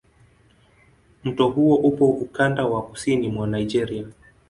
Mto huo upo ukanda wa kusini mwa Nigeria.